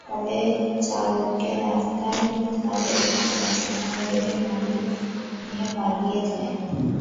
পরে চালককে রাস্তার ধারে একটি গাছের সঙ্গে বেঁধে গাড়ি নিয়ে পালিয়ে যায়।